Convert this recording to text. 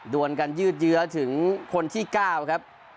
วนกันยืดเยื้อถึงคนที่๙ครับ